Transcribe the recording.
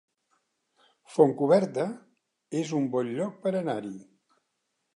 Fontcoberta es un bon lloc per anar-hi